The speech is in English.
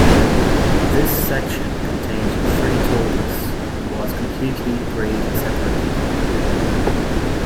This section contained three toll booths, and was completely grade-separated.